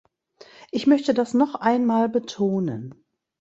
Ich möchte das noch einmal betonen.